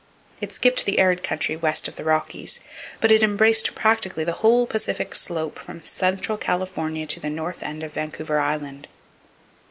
It skipped the arid country west of the Rockies, but it embraced practically the whole Pacific slope from central California to the north end of Vancouver Island.